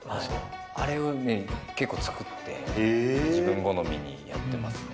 あれをね、結構作って、自分好みにやってますね。